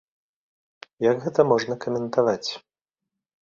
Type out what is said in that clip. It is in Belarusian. Як гэта можна каментаваць?